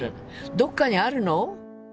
どっかにあるの？